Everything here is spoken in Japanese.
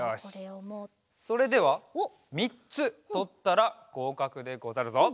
よしそれでは３つとったらごうかくでござるぞ。